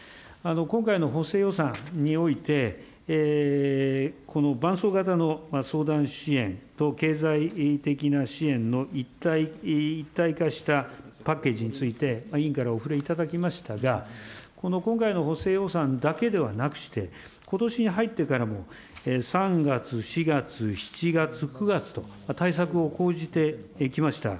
今回の補正予算において、この伴走型の相談支援と経済的な支援の一体化したパッケージについて、委員からお触れいただきましたが、この今回の補正予算だけではなくして、ことしに入ってからも、３月、４月、７月、９月と、対策を講じてきました。